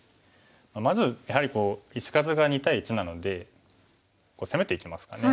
まずやはり石数が２対１なので攻めていきますかね。